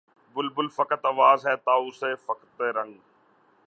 بلبل فقط آواز ہے طاؤس فقط رنگ